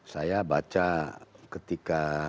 saya baca ketika